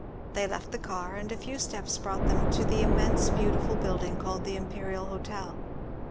They left the car, and a few steps brought them to the immense beautiful building called the Imperial Hotel.